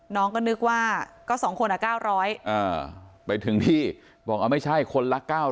น้องก็นึกว่าก็สองคนอ่ะ๙๐๐เออไปถึงที่บอกเอาไม่ใช่คนละ๙๐๐